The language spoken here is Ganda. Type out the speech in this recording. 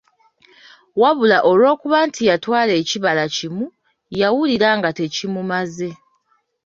Wabula olw'okuba nti yatwala ekibala kimu, yawulira nga tekimumaze.